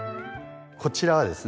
こちらはですね